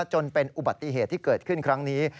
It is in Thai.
จนเป็นอุบัติเหตุที่เกิดขึ้นครั้งนี้